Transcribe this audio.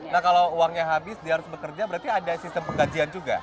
nah kalau uangnya habis dia harus bekerja berarti ada sistem penggajian juga